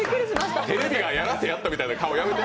テレビがやらせやったみたいな顔やめて。